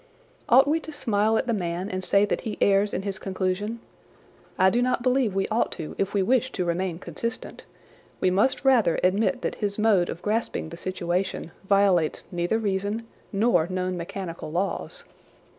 Ought we to smile at the man and say that he errs in his conclusion ? I do not believe we ought to if we wish to remain consistent ; we must rather admit that his mode of grasping the situation violates neither reason nor known mechanical laws.